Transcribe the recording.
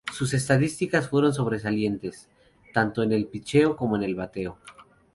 Sus estadísticas fueron sobresalientes, tanto en el pitcheo como en el bateo.